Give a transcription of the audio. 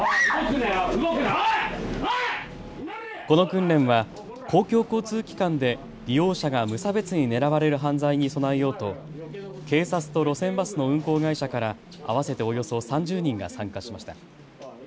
この訓練は公共交通機関で利用者が無差別に狙われる犯罪に備えようと警察と路線バスの運行会社から合わせておよそ３０人が参加しました。